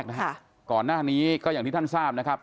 นะฮะก่อนหน้านี้ก็อย่างที่ท่านทราบนะครับ